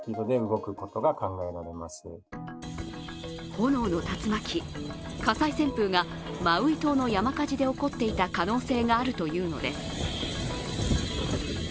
炎の竜巻、火災旋風がマウイ島の山火事で起こっていた可能性があるというのです。